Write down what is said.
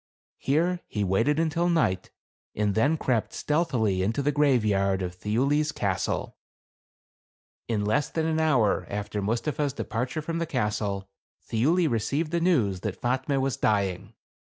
Here he waited until night, and then crept stealthily into the graveyard of Thiuli's castle. THE CAB AVAN. 181 In less than an hour after Mustapha's depart ure from the castle, Thiuli received the news that Fatme was dying.